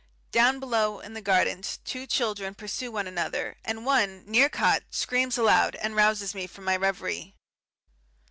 Down below in the gardens two children pursue one another, and one, near caught, screams aloud and rouses me from my reverie.